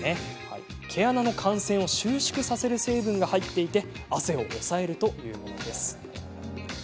毛穴の汗腺を収縮させる成分が入っていて汗を抑えるというものです。